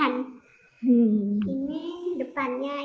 ini depannya ini teras